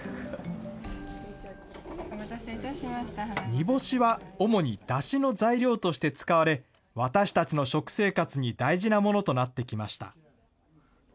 煮干しは主にだしの材料として使われ、私たちの食生活に大事なものとなってきました。